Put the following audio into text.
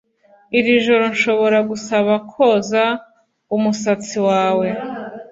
iri joro nshobora gusaba koza umusatsi wawe